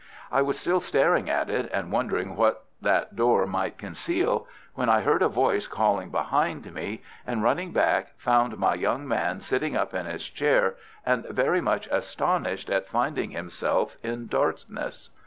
I was still staring at it, and wondering what that door might conceal, when I heard a voice calling behind me, and, running back, found my young man sitting up in his chair and very much astonished at finding himself in darkness.